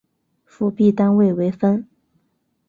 辅币单位为分。